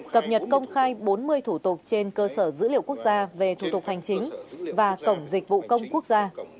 cập nhật công khai bốn mươi thủ tục trên cơ sở dữ liệu quốc gia về thủ tục hành chính và cổng dịch vụ công quốc gia